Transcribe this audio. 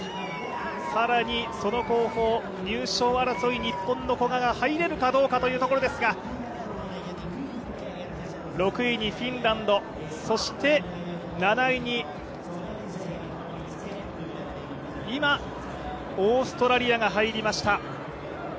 更にその後方、入賞争い日本の古賀が入れるかどうかというところですが６位にフィンランド、そして７位に今オーストラリアが入りました。